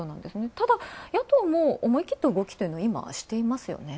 ただ野党も思い切った動きというのを今していますよね。